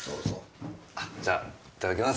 あじゃいただきます。